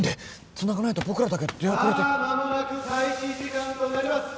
つながないと僕らだけ出遅れて・さあまもなく開始時間となります